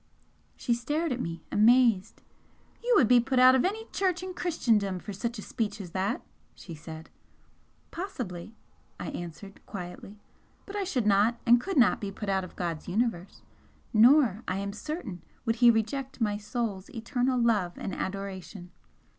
She stared at me, amazed. "You would be put out of any church in Christendom for such a speech as that!" she said. "Possibly!" I answered, quietly "But I should not and could not be put out of God's Universe nor, I am certain, would He reject my soul's eternal love and adoration!"